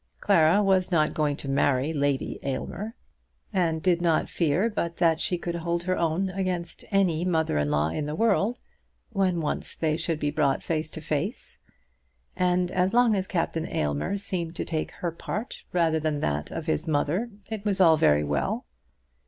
Clara was not going to marry Lady Aylmer, and did not fear but that she could hold her own against any mother in law in the world when once they should be brought face to face. And as long as Captain Aylmer seemed to take her part rather than that of his mother it was all very well.